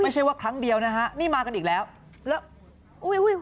ไม่ใช่ว่าครั้งเดียวนะฮะนี่มากันอีกแล้วแล้วอุ้ยอุ้ย